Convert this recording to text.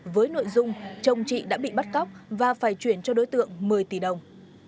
với nội dung chồng chị đã bị bắt cóc và phải chuyển cho đối tượng một mươi tỷ đồng